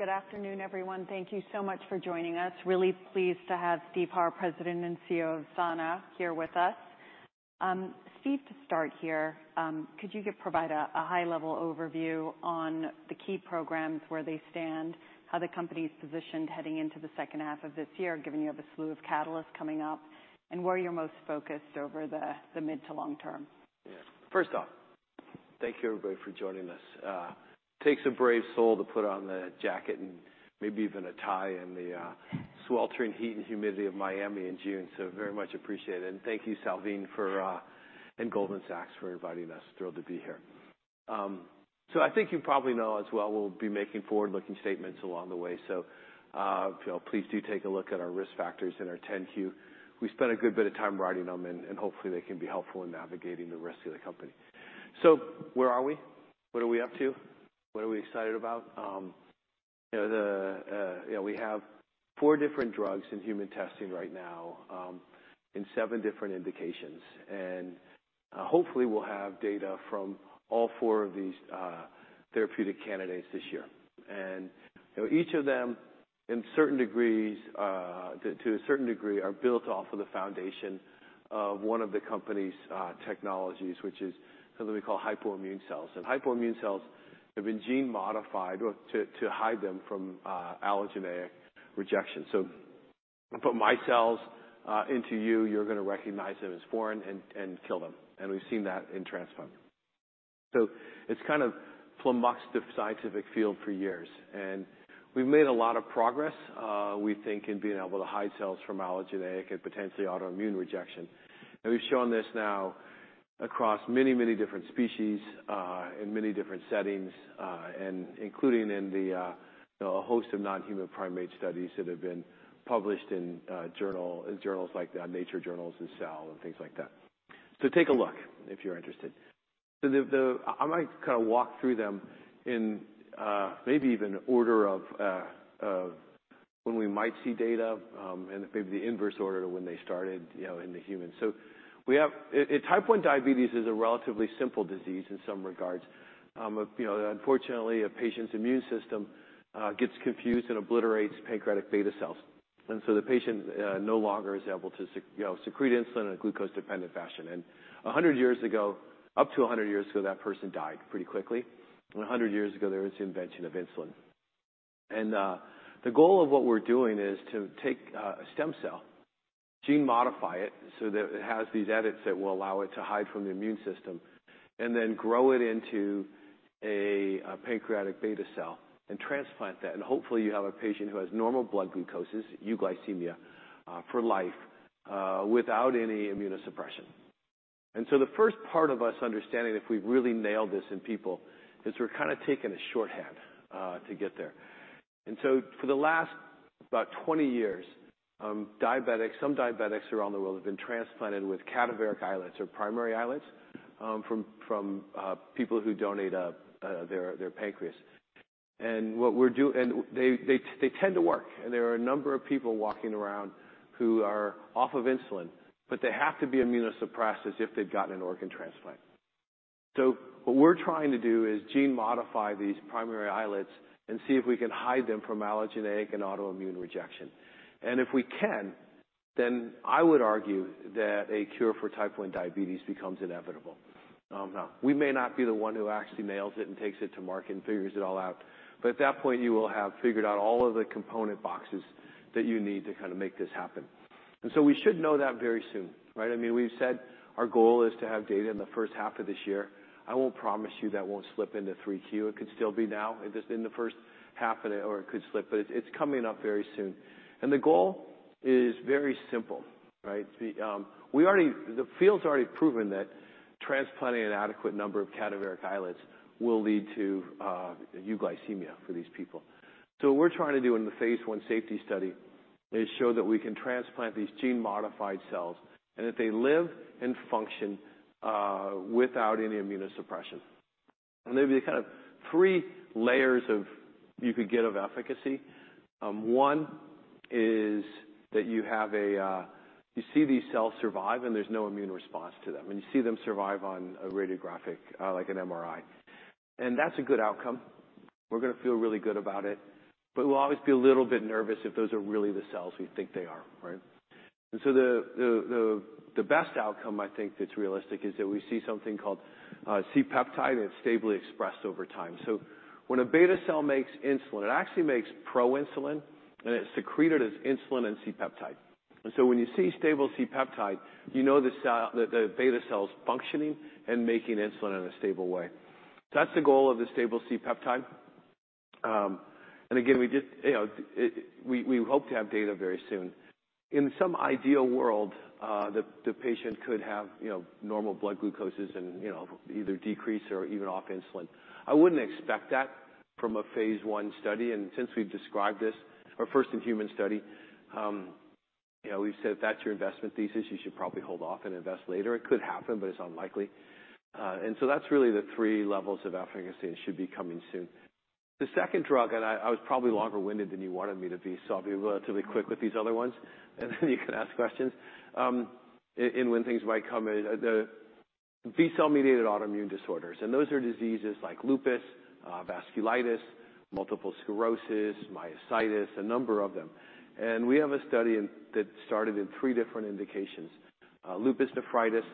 Good afternoon, everyone. Thank you so much for joining us. Really pleased to have Steve Harr, President and CEO of Sana, here with us. Steve, to start here, could you provide a high-level overview on the key programs where they stand, how the company's positioned heading into the second half of this year, given you have a slew of catalysts coming up, and where you're most focused over the mid to long term? Yeah. First off, thank you, everybody, for joining us. It takes a brave soul to put on the jacket and maybe even a tie in the sweltering heat and humidity of Miami in June, so very much appreciate it. And thank you, Salveen, for and Goldman Sachs for inviting us. Thrilled to be here. So I think you probably know as well, we'll be making forward-looking statements along the way, so, you know, please do take a look at our risk factors in our 10-Q. We spent a good bit of time writing them, and hopefully they can be helpful in navigating the rest of the company. So where are we? What are we up to? What are we excited about? You know, you know, we have four different drugs in human testing right now, in seven different indications. Hopefully we'll have data from all four of these therapeutic candidates this year. You know, each of them, in certain degrees, to a certain degree, are built off of the foundation of one of the company's technologies, which is something we call hypoimmune cells. Hypoimmune cells have been gene-modified to hide them from allogeneic rejection. So we put my cells into you, you're gonna recognize them as foreign and kill them. We've seen that in transplant. So it's kind of flummoxed the scientific field for years. We've made a lot of progress, we think, in being able to hide cells from allogeneic and potentially autoimmune rejection. And we've shown this now across many, many different species, in many different settings, and including in the, you know, a host of non-human primate studies that have been published in journals like the Nature journals and Cell and things like that. So take a look if you're interested. So I might kinda walk through them in maybe even order of when we might see data, and maybe the inverse order to when they started, you know, in the human. So we have it type 1 diabetes is a relatively simple disease in some regards. You know, unfortunately, a patient's immune system gets confused and obliterates pancreatic beta cells. And so the patient no longer is able to, you know, secrete insulin in a glucose-dependent fashion. And 100 years ago, up to 100 years ago, that person died pretty quickly. 100 years ago, there was the invention of insulin. The goal of what we're doing is to take a stem cell, gene-modify it so that it has these edits that will allow it to hide from the immune system, and then grow it into a pancreatic beta cell and transplant that. Hopefully you have a patient who has normal blood glucoses, euglycemia, for life, without any immunosuppression. The first part of us understanding if we've really nailed this in people is we're kinda taking a shorthand to get there. For the last about 20 years, some diabetics around the world have been transplanted with cadaveric islets or primary islets from people who donate their pancreas. And what we're doing and they tend to work. There are a number of people walking around who are off of insulin, but they have to be immunosuppressed as if they'd gotten an organ transplant. What we're trying to do is gene-modify these primary islets and see if we can hide them from allogeneic and autoimmune rejection. If we can, then I would argue that a cure for type 1 diabetes becomes inevitable. Now, we may not be the one who actually nails it and takes it to market and figures it all out. At that point, you will have figured out all of the component boxes that you need to kinda make this happen. We should know that very soon, right? I mean, we've said our goal is to have data in the first half of this year. I won't promise you that won't slip into 3-Q. It could still be now, in the first half of the or it could slip. But it's coming up very soon. And the goal is very simple, right? The field's already proven that transplanting an adequate number of cadaveric islets will lead to euglycemia for these people. So what we're trying to do in the phase 1 safety study is show that we can transplant these gene-modified cells and that they live and function without any immunosuppression. And there'll be kind of 3 layers of efficacy you could get. 1 is that you see these cells survive and there's no immune response to them. And you see them survive on a radiographic, like an MRI. And that's a good outcome. We're gonna feel really good about it. But we'll always be a little bit nervous if those are really the cells we think they are, right? And so the best outcome, I think, that's realistic is that we see something called C-peptide, and it's stably expressed over time. So when a beta cell makes insulin, it actually makes proinsulin, and it's secreted as insulin and C-peptide. And so when you see stable C-peptide, you know the cell, the beta cell's functioning and making insulin in a stable way. That's the goal of the stable C-peptide. And again, we hope to have data very soon. In some ideal world, the patient could have, you know, normal blood glucoses and, you know, either decrease or even off insulin. I wouldn't expect that from a phase 1 study. And since we've described this, our first in human study, you know, we've said if that's your investment thesis, you should probably hold off and invest later. It could happen, but it's unlikely. And so that's really the three levels of efficacy and should be coming soon. The second drug, and I, I was probably longer-winded than you wanted me to be, so I'll be relatively quick with these other ones, and then you can ask questions. And when things might come, the B-cell-mediated autoimmune disorders. And those are diseases like lupus, vasculitis, multiple sclerosis, myositis, a number of them. And we have a study in that started in three different indications: lupus nephritis,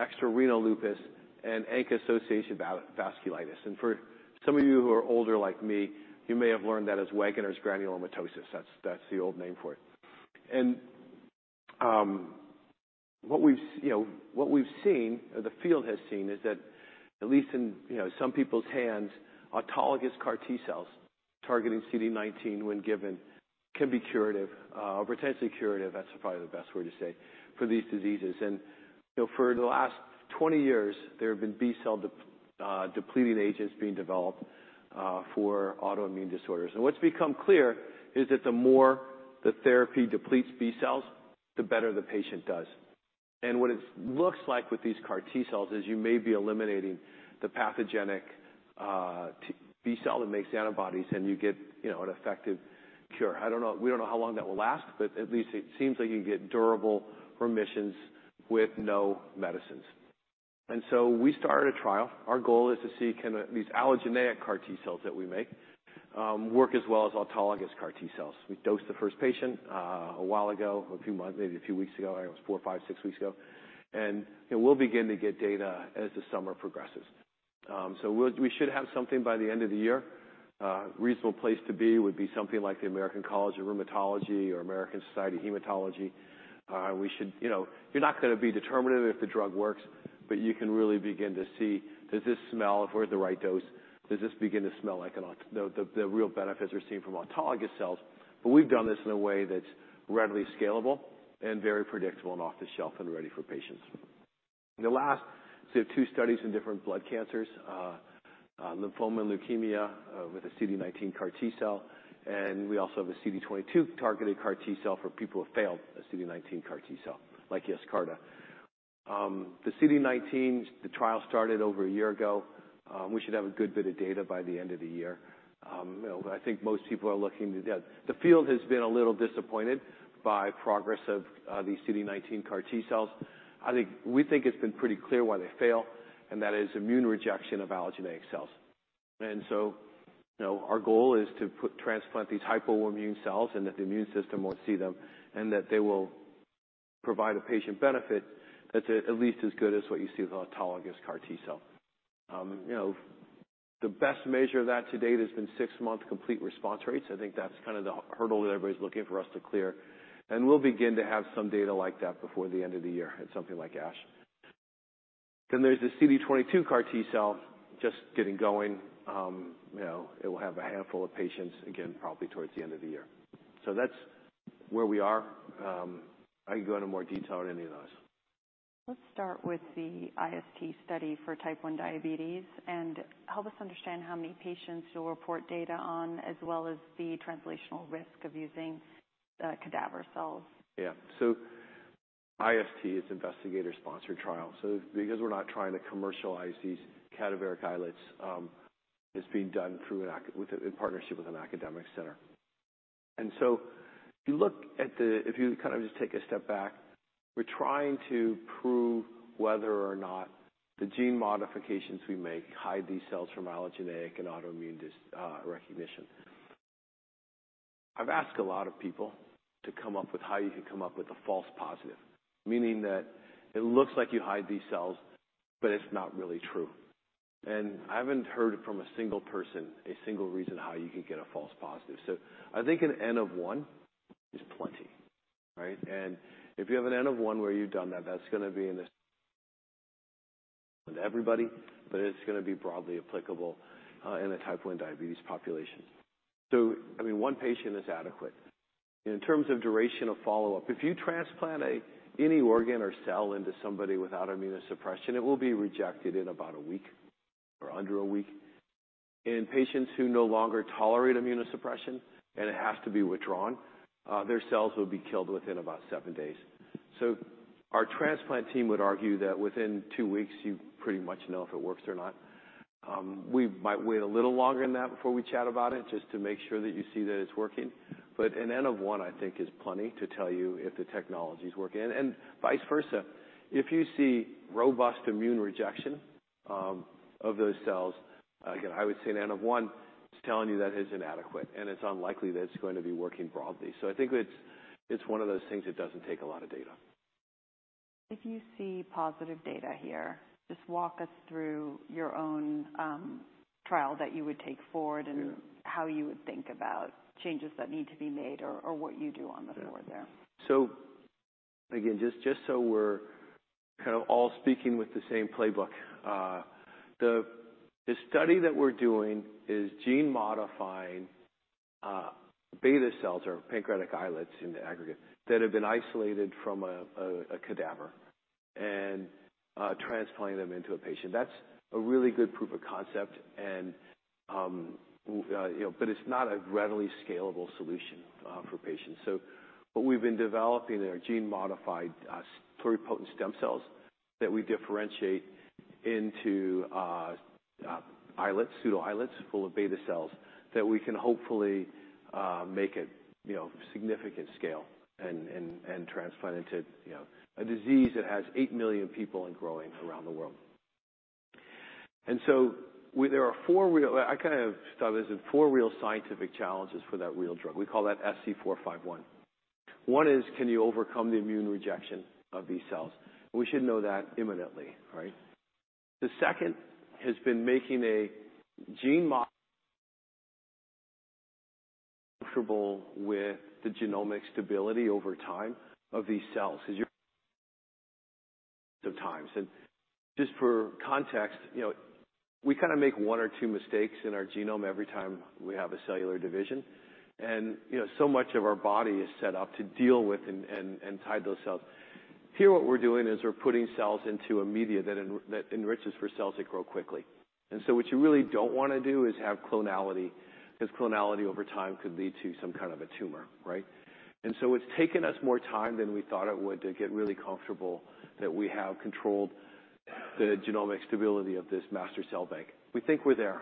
extrarenal lupus, and ANCA-associated vasculitis. And for some of you who are older like me, you may have learned that as Wegener's granulomatosis. That's, that's the old name for it. What we've, you know, what we've seen, or the field has seen, is that at least in, you know, some people's hands, autologous CAR T-cells targeting CD19 when given can be curative, potentially curative. That's probably the best word to say for these diseases. You know, for the last 20 years, there have been B-cell depleting agents being developed, for autoimmune disorders. What's become clear is that the more the therapy depletes B-cells, the better the patient does. What it looks like with these CAR T-cells is you may be eliminating the pathogenic B-cell that makes antibodies, and you get, you know, an effective cure. I don't know, we don't know how long that will last, but at least it seems like you can get durable remissions with no medicines. So we started a trial. Our goal is to see can these allogeneic CAR T-cells that we make, work as well as autologous CAR T-cells. We dosed the first patient, a while ago, a few months maybe a few weeks ago. I think it was 4, 5, 6 weeks ago. And, you know, we'll begin to get data as the summer progresses. So we should have something by the end of the year. Reasonable place to be would be something like the American College of Rheumatology or American Society of Hematology. We should, you know, you're not gonna be determinative if the drug works, but you can really begin to see does this smell if we're at the right dose, does this begin to smell like an autologous, the real benefits we're seeing from autologous cells. But we've done this in a way that's readily scalable and very predictable and off the shelf and ready for patients. The last, so we have two studies in different blood cancers, lymphoma and leukemia, with a CD19 CAR T-cell. And we also have a CD22 targeted CAR T-cell for people who failed a CD19 CAR T-cell, like Yescarta. The CD19, the trial started over a year ago. We should have a good bit of data by the end of the year. You know, I think most people are looking to yeah, the field has been a little disappointed by progress of, these CD19 CAR T-cells. I think we think it's been pretty clear why they fail, and that is immune rejection of allogeneic cells. So, you know, our goal is to put transplant these hypoimmune cells and that the immune system won't see them and that they will provide a patient benefit that's at least as good as what you see with autologous CAR T-cell. You know, the best measure of that to date has been six-month complete response rates. I think that's kinda the hurdle that everybody's looking for us to clear. We'll begin to have some data like that before the end of the year at something like ASH. Then there's the CD22 CAR T-cell just getting going. You know, it will have a handful of patients, again, probably towards the end of the year. So that's where we are. I can go into more detail on any of those. Let's start with the IST study for type 1 diabetes and help us understand how many patients you'll report data on as well as the translational risk of using cadaver cells? Yeah. So IST is investigator-sponsored trial. So because we're not trying to commercialize these cadaveric islets, it's being done in partnership with an academic center. And so if you kind of just take a step back, we're trying to prove whether or not the gene modifications we make hide these cells from allogeneic and autoimmune disease recognition. I've asked a lot of people to come up with how you can come up with a false positive, meaning that it looks like you hide these cells, but it's not really true. And I haven't heard from a single person a single reason how you could get a false positive. So I think an N of 1 is plenty, right? If you have an N of 1 where you've done that, that's gonna be in this for everybody, but it's gonna be broadly applicable, in a type 1 diabetes population. So, I mean, 1 patient is adequate. In terms of duration of follow-up, if you transplant any organ or cell into somebody without immunosuppression, it will be rejected in about a week or under a week. In patients who no longer tolerate immunosuppression and it has to be withdrawn, their cells will be killed within about 7 days. So our transplant team would argue that within 2 weeks, you pretty much know if it works or not. We might wait a little longer than that before we chat about it just to make sure that you see that it's working. But an N of 1, I think, is plenty to tell you if the technology's working. Vice versa. If you see robust immune rejection of those cells, again, I would say an N of 1 is telling you that it's inadequate, and it's unlikely that it's going to be working broadly. I think it's one of those things that doesn't take a lot of data. If you see positive data here, just walk us through your own trial that you would take forward and. Yeah. How you would think about changes that need to be made or what you do on the floor there. Sure. So, again, just so we're kinda all speaking with the same playbook, the study that we're doing is gene-modifying beta cells or pancreatic islets in the aggregate that have been isolated from a cadaver and transplanting them into a patient. That's a really good proof of concept. And, you know, but it's not a readily scalable solution for patients. So what we've been developing are gene-modified pluripotent stem cells that we differentiate into islets, pseudoislets full of beta cells that we can hopefully make at, you know, significant scale and transplant into, you know, a disease that has 8 million people and growing around the world. And so there are four real scientific challenges for that real drug. We call that SC451. One is can you overcome the immune rejection of these cells? We should know that imminently, right? The second has been getting comfortable with the genomic stability over time of these cells 'cause you divide many times. And just for context, you know, we kinda make one or two mistakes in our genome every time we have a cellular division. And, you know, so much of our body is set up to deal with and get rid of those cells. Here, what we're doing is we're putting cells into a media that enriches for cells that grow quickly. And so what you really don't wanna do is have clonality 'cause clonality over time could lead to some kind of a tumor, right? And so it's taken us more time than we thought it would to get really comfortable that we have controlled the genomic stability of this master cell bank. We think we're there.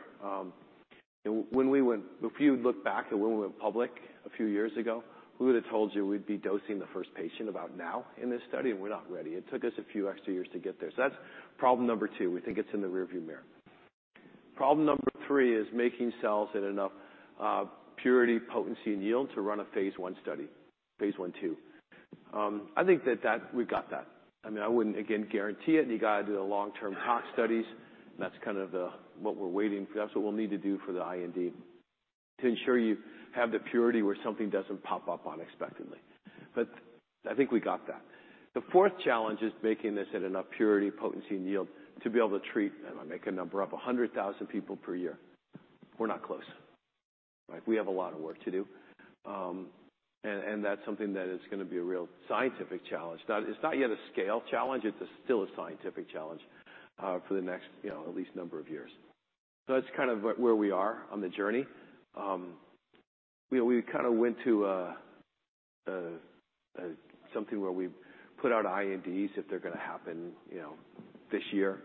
When we went if you look back at when we went public a few years ago, we would've told you we'd be dosing the first patient about now in this study, and we're not ready. It took us a few extra years to get there. So that's problem number 2. We think it's in the rearview mirror. Problem number 3 is making cells at enough purity, potency, and yield to run a phase 1 study, phase 1/2. I think that we've got that. I mean, I wouldn't, again, guarantee it. You gotta do the long-term tox studies. That's kind of what we're waiting for. That's what we'll need to do for the IND to ensure you have the purity where something doesn't pop up unexpectedly. But I think we got that. The fourth challenge is making this at enough purity, potency, and yield to be able to treat, and I make a number up, 100,000 people per year. We're not close, right? We have a lot of work to do. And that's something that is gonna be a real scientific challenge. No, it's not yet a scale challenge. It's still a scientific challenge, for the next, you know, at least a number of years. So that's kind of where we are on the journey. You know, we kinda went to a something where we put out INDs if they're gonna happen, you know, this year.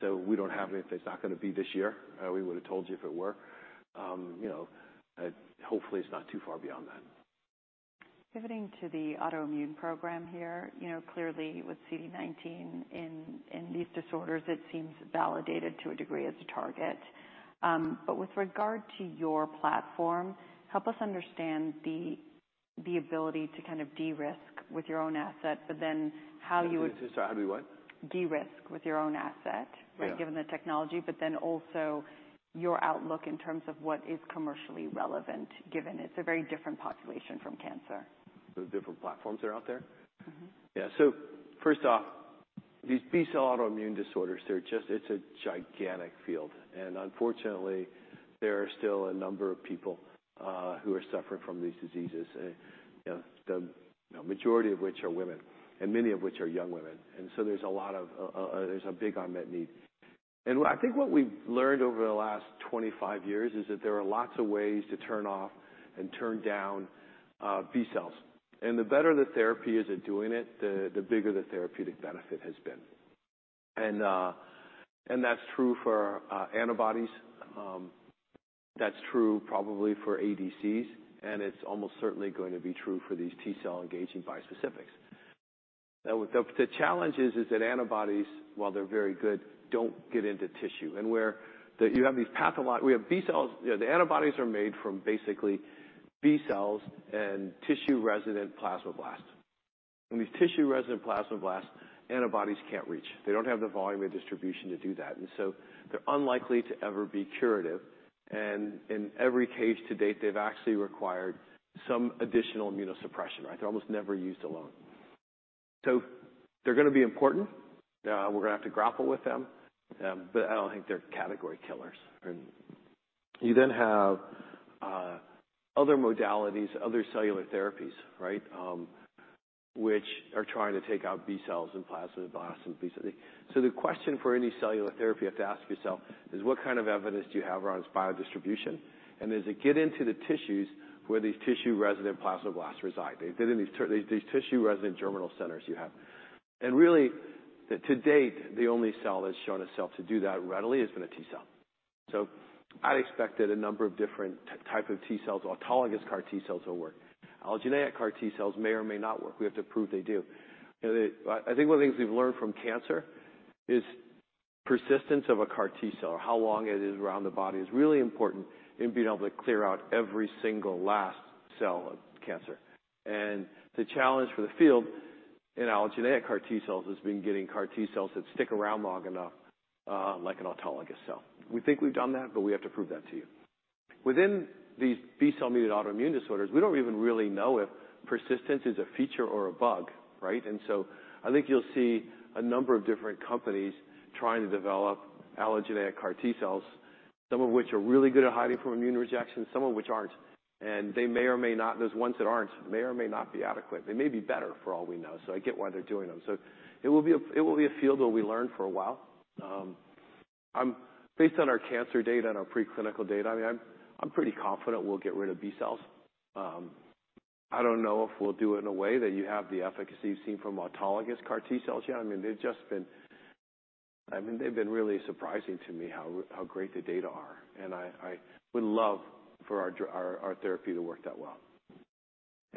So we don't have any if it's not gonna be this year. We would've told you if it were. You know, hopefully, it's not too far beyond that. Pivoting to the autoimmune program here, you know, clearly with CD19 in these disorders, it seems validated to a degree as a target. But with regard to your platform, help us understand the ability to kind of de-risk with your own asset, but then how you would? I would say sorry, how do we what? De-risk with your own asset. Yeah. Given the technology, but then also your outlook in terms of what is commercially relevant given it's a very different population from cancer. The different platforms that are out there? Mm-hmm. Yeah. So first off, these B-cell autoimmune disorders, they're just—it's a gigantic field. And unfortunately, there are still a number of people who are suffering from these diseases, you know, you know, majority of which are women and many of which are young women. And so there's a lot of; there's a big unmet need. And I think what we've learned over the last 25 years is that there are lots of ways to turn off and turn down B-cells. And the better the therapy is at doing it, the bigger the therapeutic benefit has been. And that's true for antibodies. That's true probably for ADCs, and it's almost certainly going to be true for these T-cell engaging bispecifics. Now, the challenge is that antibodies, while they're very good, don't get into tissue. And where you have these pathological B-cells. You know, the antibodies are made from basically B cells and tissue-resident plasma blasts. These tissue-resident plasma blasts, antibodies can't reach. They don't have the volume and distribution to do that. So they're unlikely to ever be curative. In every case to date, they've actually required some additional immunosuppression, right? They're almost never used alone. So they're gonna be important. We're gonna have to grapple with them, but I don't think they're category killers. You then have other modalities, other cellular therapies, right, which are trying to take out B cells and plasma blasts and B-cell. So the question for any cellular therapy you have to ask yourself is what kind of evidence do you have around its biodistribution? And does it get into the tissues where these tissue-resident plasma blasts reside? They do in these tissue-resident germinal centers you have. And really, to date, the only cell that's shown itself to do that readily has been a T-cell. So I'd expect that a number of different type of T-cells, autologous CAR T-cells will work. Allogeneic CAR T-cells may or may not work. We have to prove they do. You know, I think one of the things we've learned from cancer is persistence of a CAR T-cell or how long it is around the body is really important in being able to clear out every single last cell of cancer. And the challenge for the field in allogeneic CAR T-cells has been getting CAR T-cells that stick around long enough, like an autologous cell. We think we've done that, but we have to prove that to you. Within these B-cell-mediated autoimmune disorders, we don't even really know if persistence is a feature or a bug, right? And so I think you'll see a number of different companies trying to develop allogeneic CAR T-cells, some of which are really good at hiding from immune rejection, some of which aren't. And they may or may not those ones that aren't may or may not be adequate. They may be better for all we know. So I get why they're doing them. So it will be a field where we learn for a while. I'm, based on our cancer data and our preclinical data. I mean, I'm pretty confident we'll get rid of B-cells. I don't know if we'll do it in a way that you have the efficacy you've seen from autologous CAR T-cells yet. I mean, they've just been really surprising to me how great the data are. And I would love for our therapy to work that well.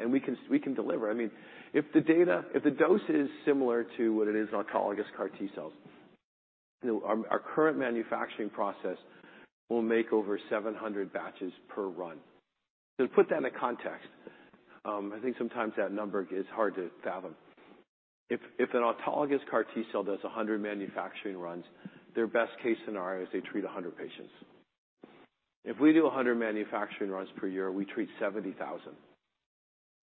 And we can deliver. I mean, if the dose is similar to what it is in autologous CAR T-cells, you know, our current manufacturing process will make over 700 batches per run. So to put that into context, I think sometimes that number is hard to fathom. If an autologous CAR T-cell does 100 manufacturing runs, their best-case scenario is they treat 100 patients. If we do 100 manufacturing runs per year, we treat 70,000.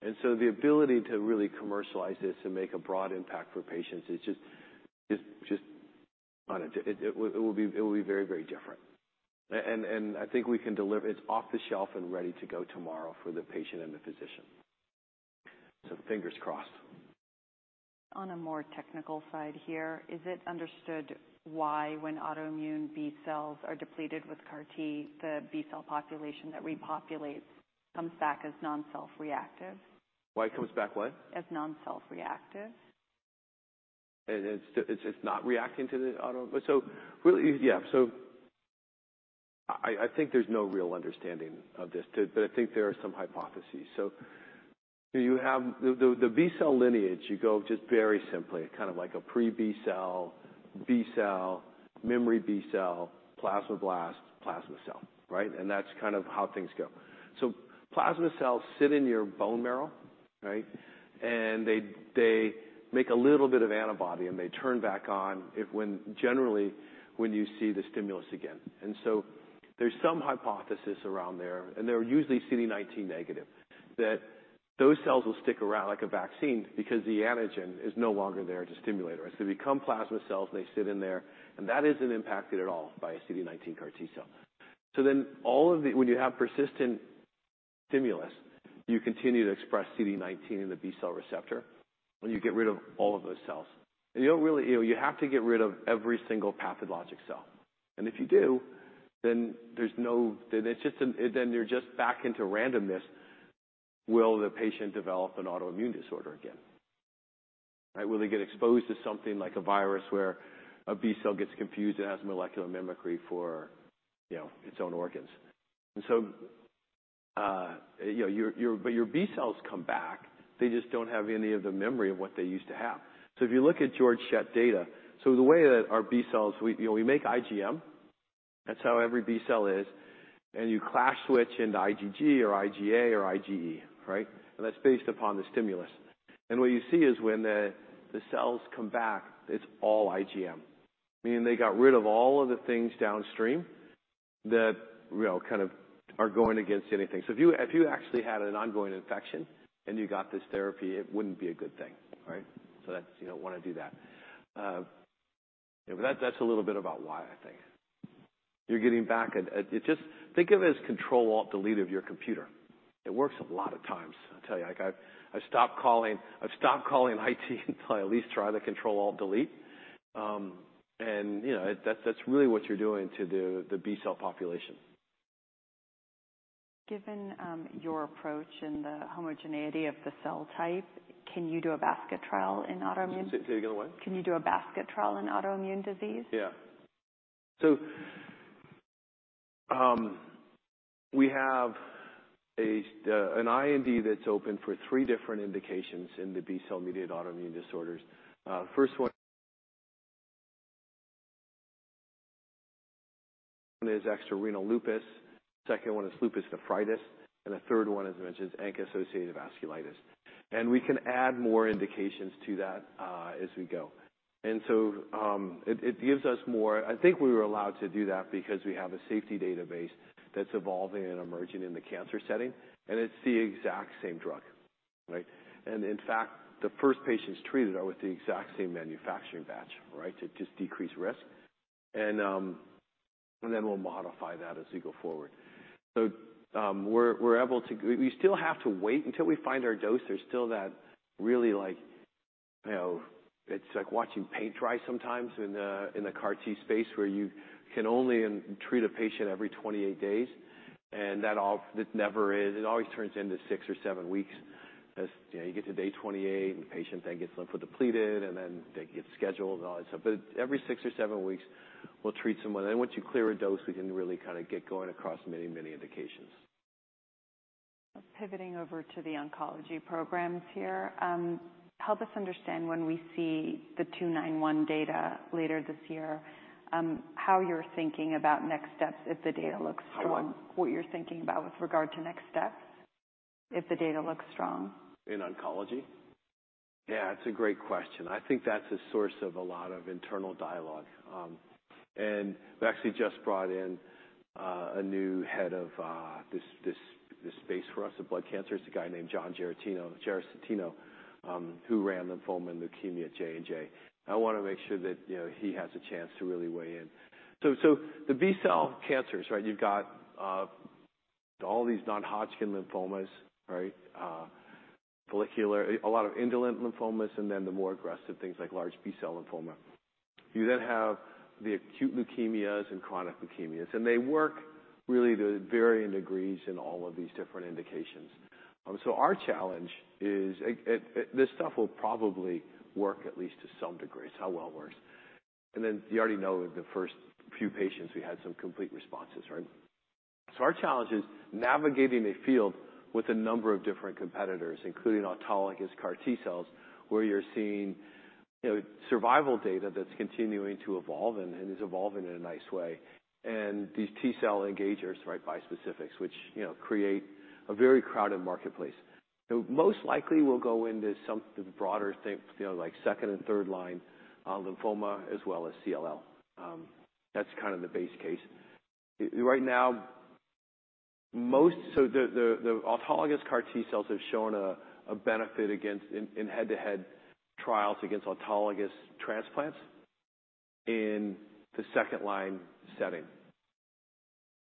And so the ability to really commercialize this and make a broad impact for patients is just on a different level. It will be very, very different. I think we can deliver. It's off the shelf and ready to go tomorrow for the patient and the physician. So fingers crossed. On a more technical side here, is it understood why when autoimmune B-cells are depleted with CAR T, the B-cell population that repopulates comes back as non-self-reactive? Why it comes back what? As non-self-reactive. And it's, it's not reacting to the auto so really yeah. So I think there's no real understanding of this too but I think there are some hypotheses. So you have the B-cell lineage, you go just very simply, kind of like a pre-B-cell, B-cell, memory B-cell, plasma blast, plasma cell, right? And that's kind of how things go. So plasma cells sit in your bone marrow, right? And they make a little bit of antibody, and they turn back on when generally when you see the stimulus again. And so there's some hypothesis around there, and they're usually CD19 negative, that those cells will stick around like a vaccine because the antigen is no longer there to stimulate it. So they become plasma cells, and they sit in there, and that isn't impacted at all by a CD19 CAR T-cell. So then all of the, when you have persistent stimulus, you continue to express CD19 in the B-cell receptor, and you get rid of all of those cells. And you don't really, you know, you have to get rid of every single pathologic cell. And if you do, then there's no, then it's just, then you're just back into randomness. Will the patient develop an autoimmune disorder again? Right? Will they get exposed to something like a virus where a B-cell gets confused and has molecular mimicry for, you know, its own organs? And so, you know, your, your but your B-cells come back. They just don't have any of the memory of what they used to have. So if you look at Sonja Schrepfer data, so the way that our B-cells we, you know, we make IgM. That's how every B-cell is. And you class switch into IgG or IgA or IgE, right? And that's based upon the stimulus. And what you see is when the cells come back, it's all IgM, meaning they got rid of all of the things downstream that, you know, kind of are going against anything. So if you actually had an ongoing infection and you got this therapy, it wouldn't be a good thing, right? So that's you don't wanna do that, you know, but that's a little bit about why I think you're getting back a, it just think of it as control alt delete of your computer. It works a lot of times. I tell you, like, I've stopped calling IT until I at least tried the control alt delete, and, you know, that's really what you're doing to the B-cell population. Given your approach and the homogeneity of the cell type, can you do a basket trial in autoimmune? Say it again? What? Can you do a basket trial in autoimmune disease? Yeah. So, we have a, an IND that's open for three different indications in the B-cell-mediated autoimmune disorders. First one is extrarenal lupus. Second one is lupus nephritis. And the third one, as I mentioned, is ANCA-associated vasculitis. And we can add more indications to that, as we go. And so, it, it gives us more. I think we were allowed to do that because we have a safety database that's evolving and emerging in the cancer setting. And it's the exact same drug, right? And in fact, the first patients treated are with the exact same manufacturing batch, right, to just decrease risk. And, and then we'll modify that as we go forward. So, we're, we're able to. We, we still have to wait until we find our dose. There's still that really, like, you know, it's like watching paint dry sometimes in the CAR T space where you can only treat a patient every 28 days. And that, all that never is, it always turns into six or seven weeks as, you know, you get to day 28, and the patient then gets lymphodepleted, and then they get scheduled and all that stuff. But every six or seven weeks, we'll treat someone. And then once you clear a dose, we can really kinda get going across many, many indications. Pivoting over to the oncology programs here, help us understand when we see the 291 data later this year, how you're thinking about next steps if the data looks strong? How do I? What you're thinking about with regard to next steps if the data looks strong? In oncology? Yeah. It's a great question. I think that's a source of a lot of internal dialogue. We actually just brought in a new head of this space for us at blood cancer. It's a guy named John Gerecitano, who ran lymphoma and leukemia at J&J. I wanna make sure that, you know, he has a chance to really weigh in. So the B-cell cancers, right? You've got all these non-Hodgkin lymphomas, right? Follicular, a lot of indolent lymphomas, and then the more aggressive things like large B-cell lymphoma. You then have the acute leukemias and chronic leukemias. And they work really to varying degrees in all of these different indications. So our challenge is this stuff will probably work at least to some degree. It's how well it works. And then you already know the first few patients, we had some complete responses, right? So our challenge is navigating a field with a number of different competitors, including autologous CAR T-cells, where you're seeing, you know, survival data that's continuing to evolve and is evolving in a nice way. And these T-cell engagers, right, bispecifics, which, you know, create a very crowded marketplace. And most likely, we'll go into some the broader things, you know, like second- and third-line lymphoma as well as CLL. That's kind of the base case. Right now, most so the autologous CAR T-cells have shown a benefit against in head-to-head trials against autologous transplants in the second-line setting.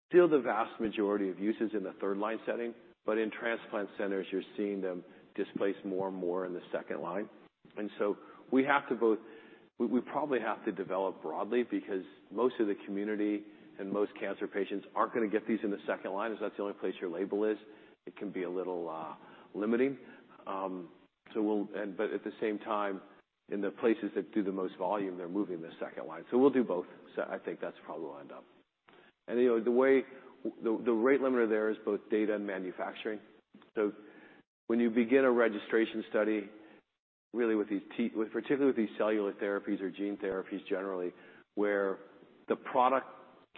Still, the vast majority of uses in the third-line setting. But in transplant centers, you're seeing them displaced more and more in the second-line. And so we probably have to develop broadly because most of the community and most cancer patients aren't gonna get these in the second-line. If that's the only place your label is, it can be a little limiting. So we'll, but at the same time, in the places that do the most volume, they're moving to the second-line. So we'll do both. So I think that's probably where we'll end up. And, you know, the way the rate limiter there is both data and manufacturing. So when you begin a registration study, really with these, particularly with these cellular therapies or gene therapies generally, where the product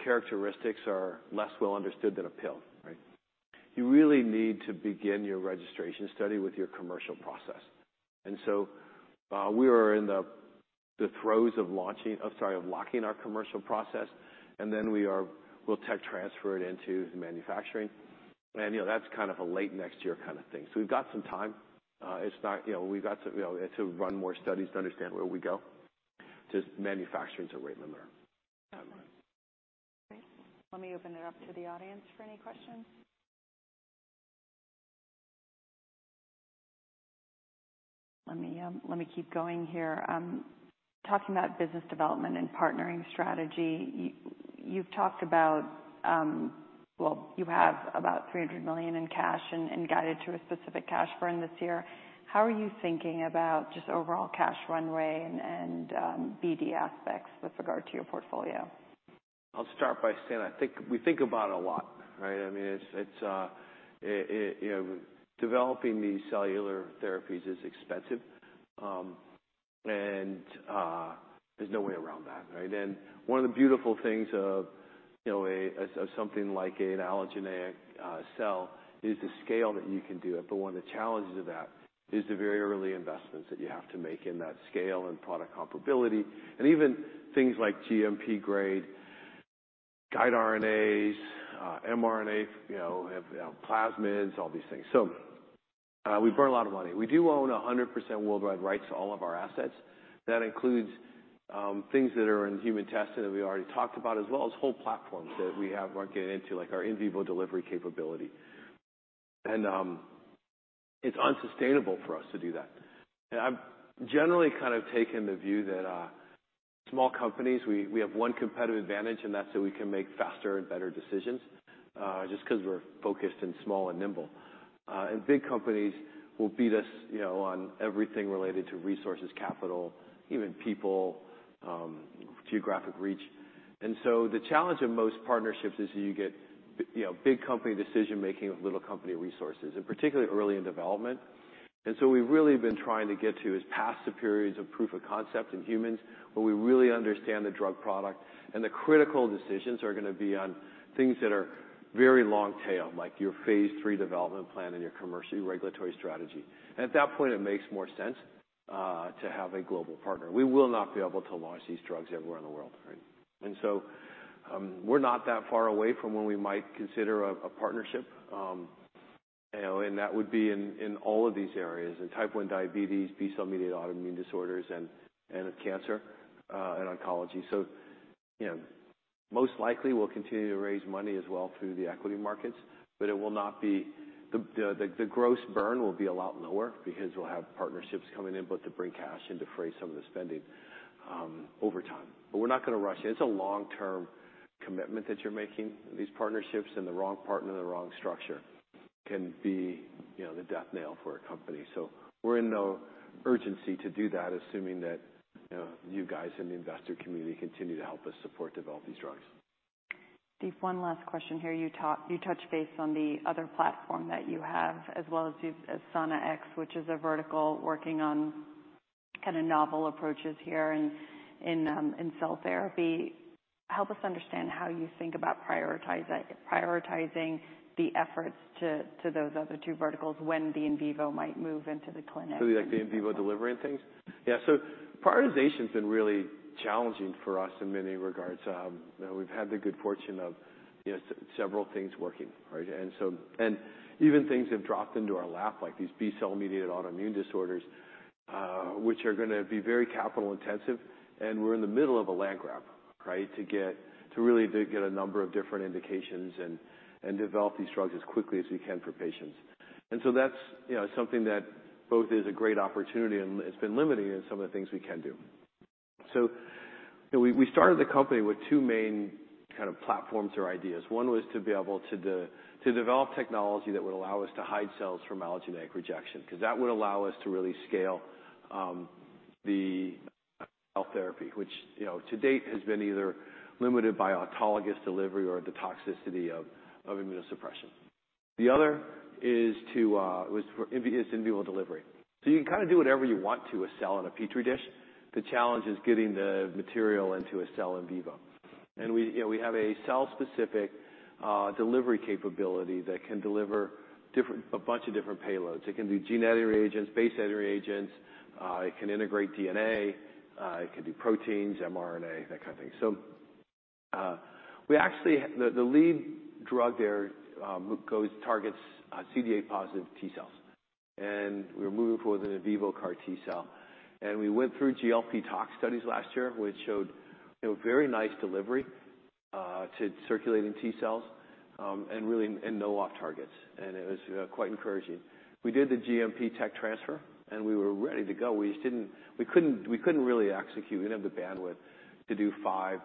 characteristics are less well understood than a pill, right? You really need to begin your registration study with your commercial process. And so, we are in the throes of launching. Oh, sorry, of locking our commercial process. And then we'll tech transfer it into manufacturing. And, you know, that's kind of a late next year kind of thing. So we've got some time. It's not, you know, we've got some, you know, to run more studies to understand where we go. Just manufacturing's a rate limiter. Okay. Great. Let me open it up to the audience for any questions. Let me, let me keep going here. Talking about business development and partnering strategy, you've talked about, well, you have about $300 million in cash and guided to a specific cash burn this year. How are you thinking about just overall cash runway and BD aspects with regard to your portfolio? I'll start by saying I think we think about it a lot, right? I mean, it's you know, developing these cellular therapies is expensive. And there's no way around that, right? And one of the beautiful things of you know, something like an allogeneic cell is the scale that you can do it. But one of the challenges of that is the very early investments that you have to make in that scale and product comparability. And even things like GMP-grade guide RNAs, mRNA, you know, plasmids, all these things. So, we burn a lot of money. We do own 100% worldwide rights to all of our assets. That includes things that are in human testing that we already talked about as well as whole platforms that we have aren't getting into, like our in vivo delivery capability. It's unsustainable for us to do that. I've generally kind of taken the view that small companies, we have one competitive advantage, and that's that we can make faster and better decisions, just 'cause we're focused and small and nimble. Big companies will beat us, you know, on everything related to resources, capital, even people, geographic reach. So the challenge of most partnerships is you get, you know, big company decision-making with little company resources, and particularly early in development. So we've really been trying to get to is past the periods of proof of concept in humans where we really understand the drug product. The critical decisions are gonna be on things that are very long tail, like your phase 3 development plan and your commercial regulatory strategy. At that point, it makes more sense to have a global partner. We will not be able to launch these drugs everywhere in the world, right? So, we're not that far away from when we might consider a partnership, you know, and that would be in all of these areas: in type 1 diabetes, B-cell-mediated autoimmune disorders, and cancer, and oncology. So, you know, most likely, we'll continue to raise money as well through the equity markets. But it will not be the gross burn will be a lot lower because we'll have partnerships coming in both to bring cash and to phase some of the spending over time. But we're not gonna rush it. It's a long-term commitment that you're making. These partnerships and the wrong partner and the wrong structure can be, you know, the death knell for a company. We're in no urgency to do that, assuming that, you know, you guys in the investor community continue to help us support, develop these drugs. Steve, one last question here. You touched base on the other platform that you have as well as you as Sana X, which is a vertical working on kinda novel approaches here and in cell therapy. Help us understand how you think about prioritizing the efforts to those other two verticals when the in vivo might move into the clinic. So you like the in-vivo delivery and things? Yeah. So prioritization's been really challenging for us in many regards. You know, we've had the good fortune of, you know, several things working, right? And so and even things have dropped into our lap, like these B-cell-mediated autoimmune disorders, which are gonna be very capital-intensive. And we're in the middle of a land grab, right, to get to really to get a number of different indications and, and develop these drugs as quickly as we can for patients. And so that's, you know, something that both is a great opportunity and it's been limiting in some of the things we can do. So, you know, we, we started the company with two main kind of platforms or ideas. One was to be able to to develop technology that would allow us to hide cells from allogeneic rejection 'cause that would allow us to really scale the cell therapy, which, you know, to date has been either limited by autologous delivery or the toxicity of immunosuppression. The other is to was for in vivo delivery. So you can kinda do whatever you want to a cell in a Petri dish. The challenge is getting the material into a cell in vivo. And we, you know, we have a cell-specific delivery capability that can deliver a bunch of different payloads. It can do gene editing reagents, base editing reagents. It can integrate DNA. It can do proteins, mRNA, that kinda thing. So, we actually the lead drug there goes targets CD8-positive T-cells. And we were moving forward with an in vivo CAR T-cell. We went through GLP-tox studies last year, which showed, you know, very nice delivery to circulating T cells, and really no off-targets. And it was quite encouraging. We did the GMP tech transfer, and we were ready to go. We just couldn't really execute. We didn't have the bandwidth to do five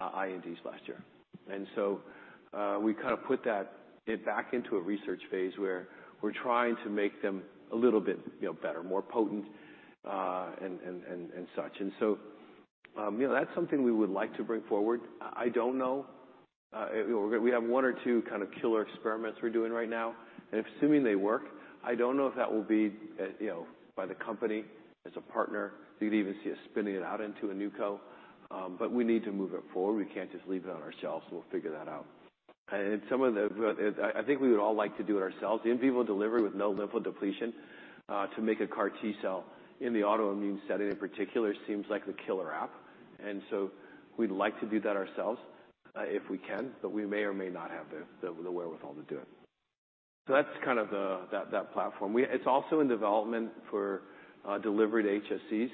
INDs last year. And so we kinda put it back into a research phase where we're trying to make them a little bit, you know, better, more potent, and such. And so, you know, that's something we would like to bring forward. I don't know. You know, we have one or two kind of killer experiments we're doing right now. And assuming they work, I don't know if that will be, you know, by the company as a partner. You could even see us spinning it out into a new co., but we need to move it forward. We can't just leave it on ourselves. We'll figure that out. And some of the, I think we would all like to do it ourselves. In vivo delivery with no lymphodepletion, to make a CAR T-cell in the autoimmune setting in particular seems like the killer app. And so we'd like to do that ourselves, if we can. But we may or may not have the wherewithal to do it. So that's kind of that platform. It's also in development for delivered HSCs,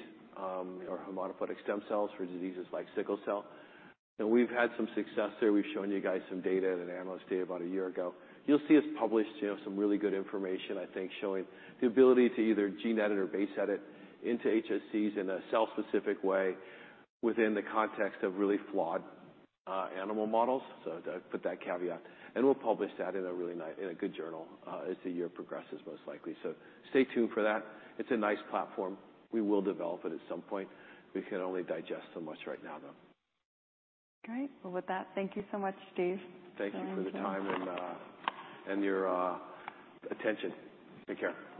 or hematopoietic stem cells for diseases like sickle cell. And we've had some success there. We've shown you guys some data that animals did about a year ago. You'll see us publish, you know, some really good information, I think, showing the ability to either gene edit or base edit into HSCs in a cell-specific way within the context of really flawed animal models. So I put that caveat. And we'll publish that in a really nice in a good journal, as the year progresses, most likely. So stay tuned for that. It's a nice platform. We will develop it at some point. We can only digest so much right now, though. Great. Well, with that, thank you so much, Steve. Thank you for the time and your attention. Take care.